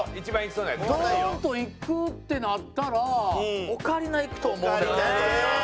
ドーンといくってなったらオカリナいくと思うのよね。